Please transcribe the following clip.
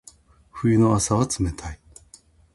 冬の朝は冷たい。